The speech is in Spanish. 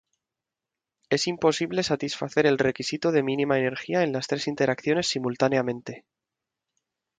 Es imposible satisfacer el requisito de mínima energía en las tres interacciones simultáneamente.